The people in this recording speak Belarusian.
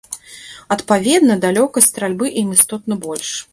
Адпаведна, далёкасць стральбы ім істотна больш.